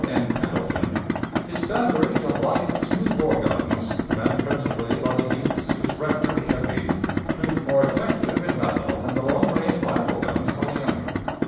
N. Pendleton, his battery of light, smooth bore guns, manned principally by the youths whose rector he had been, proved more effective in battle than the long range rifle guns of the enemy.